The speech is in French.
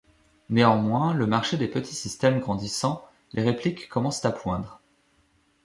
Néanmoins, le marché des petits systèmes grandissant, les répliques commencent à poindre.